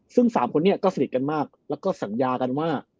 ซึ่ง๓คนนี้ก็สนิทกันมากแล้วก็สัญญากันว่า